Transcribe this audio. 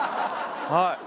はい。